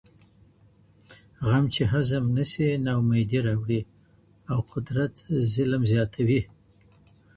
غم چي هضم نه سي نا اميدي راوړي او قدرت ظلم زیاتوي.